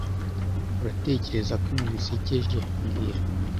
Uratekereza ko ibi bisekeje mbwira